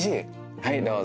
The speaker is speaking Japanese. はいどうぞ。